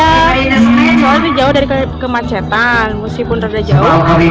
soalnya lebih jauh dari kemacetan musim pun agak jauh